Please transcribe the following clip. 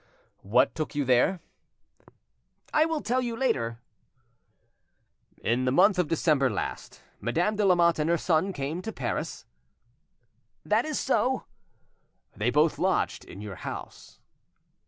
"What took you there? "I will tell you later." "In the month of December last, Madame de Lamotte and her son came to Paris? "That is so." "They both lodged in your house?"